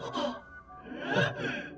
えっ！